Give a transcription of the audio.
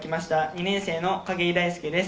２年生の隠居大介です。